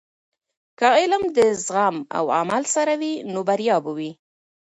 که علم د زغم او عمل سره وي، نو بریا به وي.